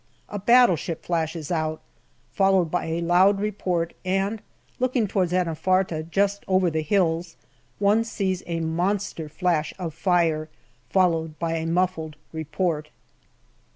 A battleship flashes out, followed by a loud report, and looking towards Anafarta, just over the hills, one sees a monster flash of fire followed by a muffled report.